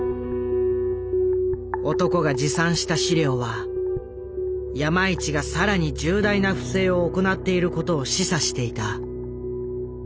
男が持参した資料は山一が更に重大な不正を行っていることを示唆していた。